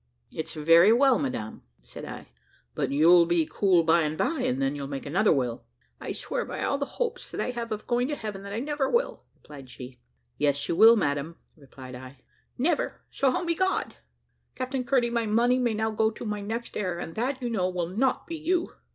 `It's very well, madam,' said I; `but you'll be cool by and bye, and then you'll make another will.' `I swear by all the hopes that I have of going to heaven that I never will!' replied she. `Yes you will, madam,' replied I. `Never, so help me God! Captain Kearney, my money may now go to my next heir, and that, you know, will not be you.'